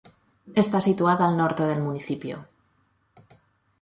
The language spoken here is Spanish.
Está situada al norte del municipio.